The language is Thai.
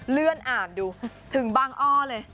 เลื่อนอ่านดูถึงบางอ้อเลย